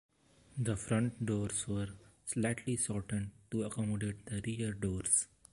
The front doors were slightly shortened to accommodate the rear doors.